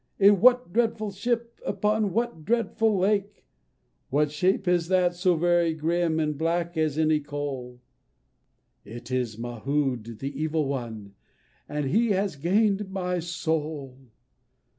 in what dreadful ship? upon what dreadful lake?" "What shape is that, so very grim, and black as any coal? It is Mahound, the Evil One, and he has gain'd my soul!